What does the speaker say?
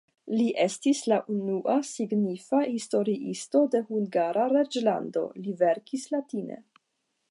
Li estis la unua signifa historiisto de Hungara reĝlando, li verkis latine.